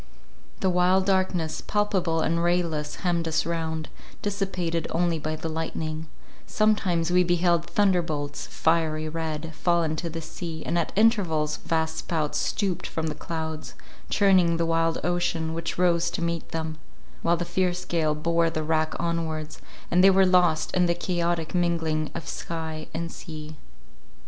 The while darkness, palpable and rayless, hemmed us round, dissipated only by the lightning; sometimes we beheld thunderbolts, fiery red, fall into the sea, and at intervals vast spouts stooped from the clouds, churning the wild ocean, which rose to meet them; while the fierce gale bore the rack onwards, and they were lost in the chaotic mingling of sky and sea.